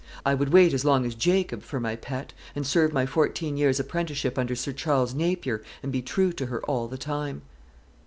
I would wait as long as Jacob for my pet, and serve my fourteen years' apprenticeship under Sir Charles Napier, and be true to her all the time."